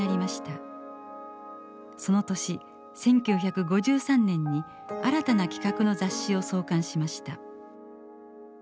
その年１９５３年に新たな企画の雑誌を創刊しました。